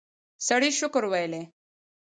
سړی شکر ویلی.